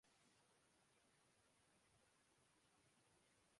دنیا کے غریبوں کو چاہیے کہ اپنی نفرت کو